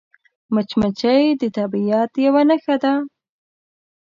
مچمچۍ د طبیعت یوه نښه ده